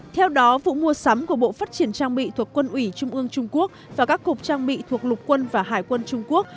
theo đó vụ mua sắm của bộ phát triển trang bị thuộc quân ủy trung ương trung quốc và các cục trang bị thuộc lục quân và hải quân trung quốc